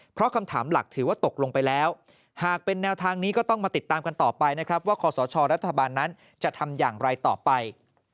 เพราะคำถามหลักถือว่าตกลงไปแล้วหากเป็นแนวทางนี้ก็ต้องมาติดตามกันต่อไปนะครับว่าคอสชรัฐบาลนั้นจะทำอย่างไรต่อไป